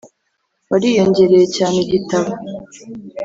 Wariyongereye cyane igitabo